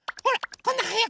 こんなはやく。